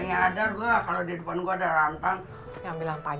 nyalo lucu juga ya kalau bercanda